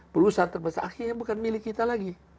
perusahaan terbesar akhirnya bukan milik kita lagi